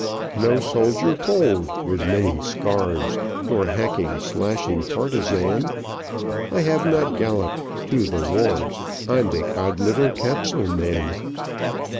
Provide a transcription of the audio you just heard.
"No soldier bold, with many scars, Nor hacking, slashing partisan; I have not galloped to the wars I'm the Codliver Capsule Man.